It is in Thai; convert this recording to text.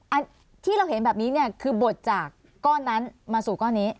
อันที่เราเห็นแบบนี้เนี่ยคือบดจากก้อนนั้นมาสู่ก้อนนี้